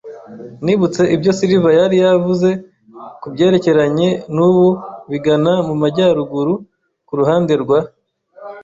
Nibutse ibyo Silver yari yavuze kubyerekeranye nubu bigana mumajyaruguru kuruhande rwa